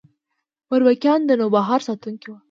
برمکیان د نوبهار ساتونکي وو